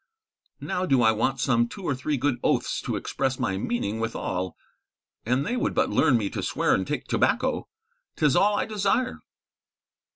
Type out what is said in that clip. _ Now do I want some two or three good oaths to express my meaning withall. An they would but learn me to swear and take tobacco! 'tis all I desire."